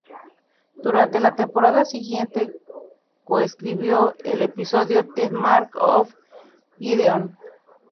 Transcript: Durante la temporada siguiente co-escribió el episodio "The Mark of Gideon".